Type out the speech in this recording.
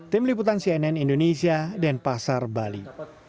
tim liputan cnn indonesia dan pasar bali